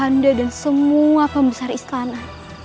anda dan semua pembesar istana